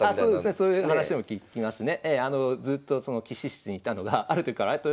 そういう話も聞きますね。